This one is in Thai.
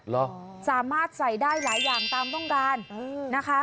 เหรอสามารถใส่ได้หลายอย่างตามต้องการนะคะ